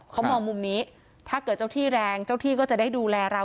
เขามองมุมนี้ถ้าเกิดเจ้าที่แรงเจ้าที่ก็จะได้ดูแลเรา